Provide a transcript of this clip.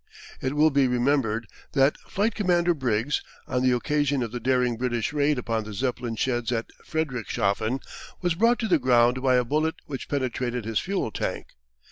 It will be remembered that Flight Commander Briggs, on the occasion of the daring British raid upon the Zeppelin sheds at Friedrichshafen, was brought to the ground by a bullet which penetrated his fuel tank.